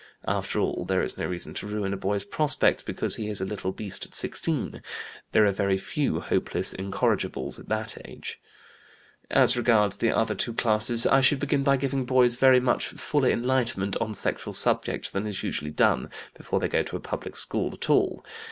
After all, there is no reason to ruin a boy's prospects because he is a little beast at sixteen; there are very few hopeless incorrigibles at that age. "As regards the other two classes, I should begin by giving boys very much fuller enlightenment on sexual subjects than is usually done, before they go to a public school at all.